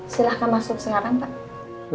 silahkan masuk segala galanya mbak